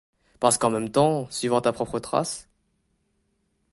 Parce qu’en même temps, suivant ta propre trace